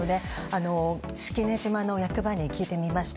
式根島の役場に聞いてみました。